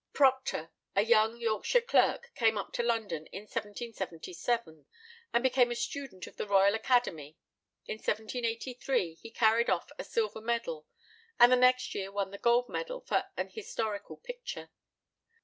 ] Procter, a young Yorkshire clerk, came up to London in 1777, and became a student of the Royal Academy. In 1783 he carried off a silver medal, and the next year won the gold medal for an historical picture.